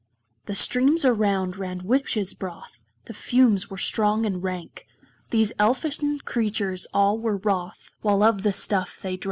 The streams around ran witches' broth, The fumes were strong and rank. These Elfin creatures all were wroth, While of the stuff they drank.